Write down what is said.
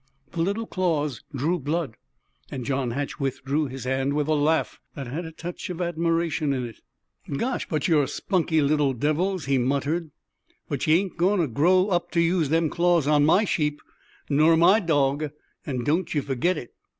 The little claws drew blood, and John Hatch withdrew his hand with a laugh that had a touch of admiration in it. "Gosh, but ye're spunky little devils!" he muttered. "But ye ain't a goin' to grow up to use them claws on my sheep nur my dawg, an' don't ye fergit it!"